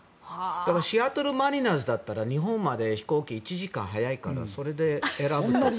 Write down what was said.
シアトル・マリナーズだったら日本まで飛行機１時間、早いからそれで選ぶとか。